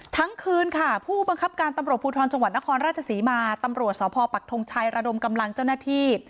ทั้งคืนค่ะผู้บังคับการตำรวจภูทรจังหวัดนครราชศรีมาตำรวจสพปักทงชัยระดมกำลังเจ้าหน้าที่